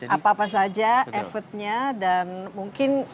apa apa saja effortnya dan mungkin